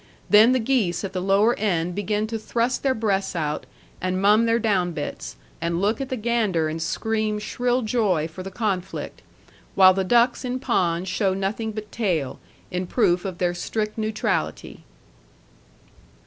Then the geese at the lower end begin to thrust their breasts out, and mum their down bits, and look at the gander and scream shrill joy for the conflict; while the ducks in pond show nothing but tail, in proof of their strict neutrality.